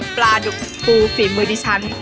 ปลาดุกปลูฝีมวิติชัน